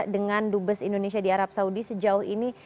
dengan dubes indonesia di arab saudi sejauh ini